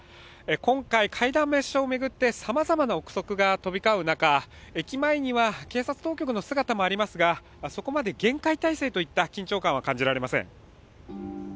今回、会談を巡ってさまざまな臆測が飛び交う中駅前には警察当局の姿もありますがそこまで厳戒態勢といった緊張感はありません。